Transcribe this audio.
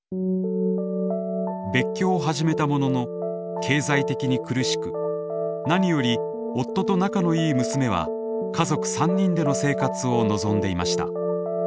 別居を始めたものの経済的に苦しく何より夫と仲のいい娘は家族３人での生活を望んでいました。